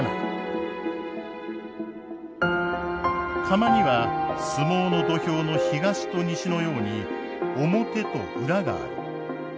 釜には相撲の土俵の東と西のように表と裏がある。